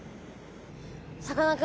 さかなクン